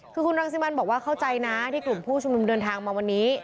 คือคุณรังสิมันบอกว่าเข้าใจนะที่กลุ่มผู้ชุมนุมเดินทางมาวันนี้